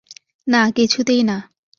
না, কিছুতেই না।